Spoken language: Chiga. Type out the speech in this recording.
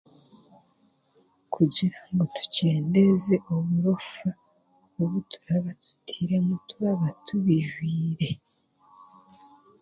Kugira ngu tukyendeeze oburofa, ebi turaabe tutiremu twaba tubijwire.